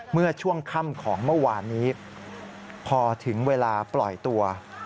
เมื่อช่วงค่ำของเมื่อวานนี้พอถึงเวลาปล่อยตัว